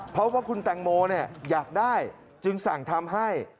เพราะว่าคุณแตงโมอยากได้จึงสั่งทำให้